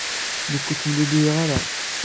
Nekk ur ttemlelluyeɣ ara.